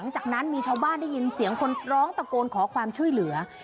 จากนั้นมีชาวบ้านได้ยินเสียงคนร้องตะโกนขอความช่วยเหลือ